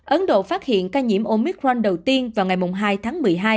ấn độ phát hiện ca nhiễm omicron đầu tiên vào ngày hai tháng một mươi hai